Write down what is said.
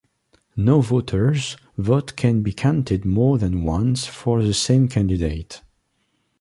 No voter's vote can be counted more than once for the same candidate.